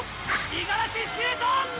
五十嵐シュート！